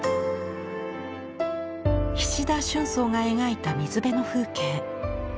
菱田春草が描いた水辺の風景。